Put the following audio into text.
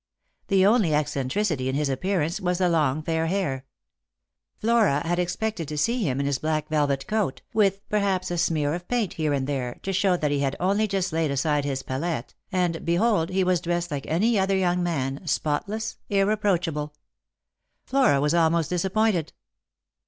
The only eccentricity in his appearance was the long fair hair. Flora had expected to see him in his black velvet coat, with perhaps a smear of paint here and there to show that he had only just laid aside his palette, and, behold, he was dressed like tny other young man, spotless, irreproachable. Flora was almost disappointed.